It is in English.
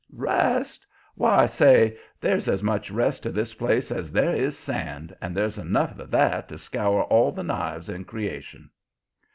Rest! Why, say, there's as much rest to this place as there is sand, and there's enough of that to scour all the knives in creation."